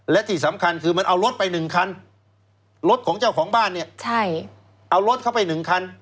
และที่สำคัญคือมันเอารถไป๑คันรถของเจ้าของบ้านเนี่ยใช่เอารถเข้าไป๑คัน